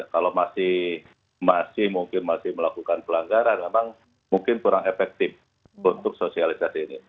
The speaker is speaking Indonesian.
kalau masih mungkin masih melakukan pelanggaran memang mungkin kurang efektif untuk sosialisasi ini